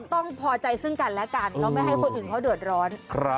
ต้องพอใจซึ่งกันและกันเขาไม่ให้คนอื่นเขาเดือดร้อน